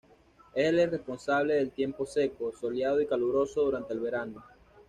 Es el responsable del tiempo seco, soleado y caluroso durante el verano.